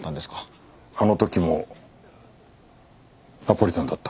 あの時もナポリタンだった。